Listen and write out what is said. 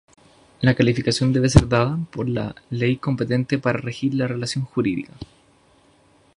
La calificación debe ser dada por la ley competente para regir la relación jurídica.